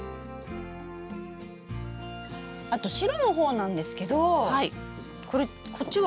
あと白の方なんですけどこれこっちは？